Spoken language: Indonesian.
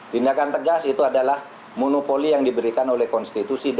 tindakan tegas itu adalah monopoli yang diberikan oleh konstitusi